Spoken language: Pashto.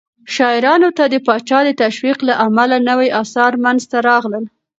شاعرانو ته د پاچا د تشويق له امله نوي آثار منځته راغلل.